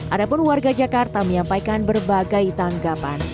adapun warga jakarta menyampaikan berbagai tanggapan